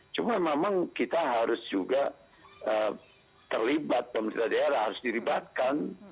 cuma memang kita harus juga terlibat pemerintah daerah harus diribatkan